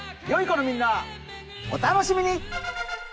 よい子のみんなお楽しみに！